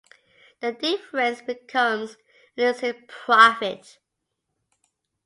The difference becomes illicit profit.